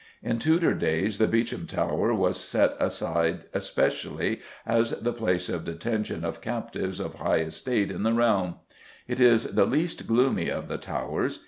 In Tudor days the Beauchamp Tower was set aside specially as the place of detention of captives of high estate in the realm. It is the least gloomy of the towers.